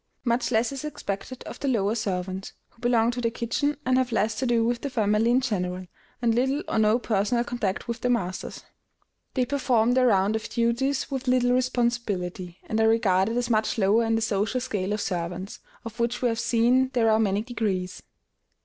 Much less is expected of the lower servants, who belong to the kitchen, and have less to do with the family in general, and little or no personal contact with their masters. They perform their round of duties with little responsibility, and are regarded as much lower in the social scale of servants, of which we have seen there are many degrees.